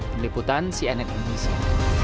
meliputan cnn indonesia